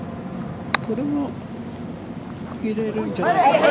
これも入れるんじゃないかな。